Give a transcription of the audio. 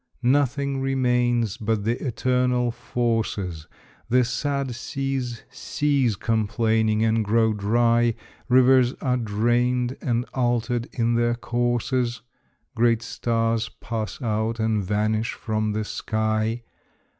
Nothing remains but the Eternal Forces, The sad seas cease complaining and grow dry; Rivers are drained and altered in their courses, Great stars pass out and vanish from the sky.